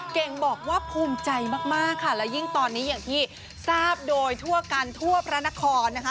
เก่งบอกว่าภูมิใจมากมากค่ะและยิ่งตอนนี้อย่างที่ทราบโดยทั่วกันทั่วพระนครนะคะ